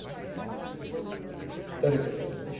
she asked. "That is it.